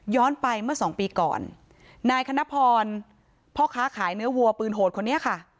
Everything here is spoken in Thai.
ไปเมื่อสองปีก่อนนายคณพรพ่อค้าขายเนื้อวัวปืนโหดคนนี้ค่ะ